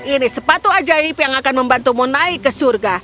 ini sepatu ajaib yang akan membantumu naik ke surga